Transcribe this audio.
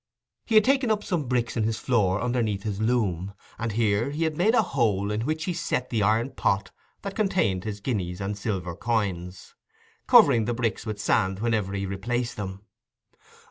He had taken up some bricks in his floor underneath his loom, and here he had made a hole in which he set the iron pot that contained his guineas and silver coins, covering the bricks with sand whenever he replaced them.